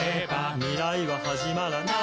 「未来ははじまらない」